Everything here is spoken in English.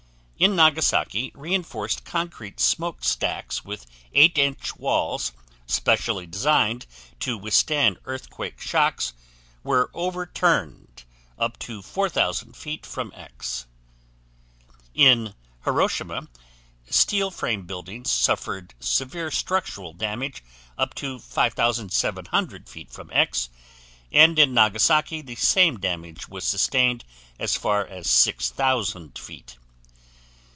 In Nagasaki, reinforced concrete smoke stacks with 8" walls, specially designed to withstand earthquake shocks, were overturned up to 4,000 feet from X. In Hiroshima, steel frame buildings suffered severe structural damage up to 5,700 feet from X, and in Nagasaki the same damage was sustained as far as 6,000 feet.